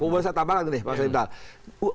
bisa tambahkan nih pak sengitra